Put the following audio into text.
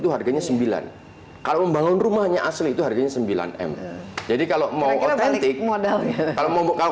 harganya sembilan kalau membangun rumahnya asli itu harganya sembilan m jadi kalau mau otentik kalau mau